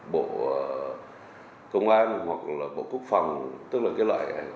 bộ công an hoặc là bộ quốc phòng tức là cái loại